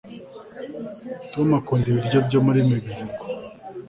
tom akunda ibiryo byo muri mexico